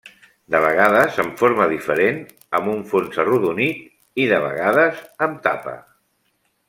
De vegades amb forma diferent, amb un fons arrodonit i, de vegades, amb tapa.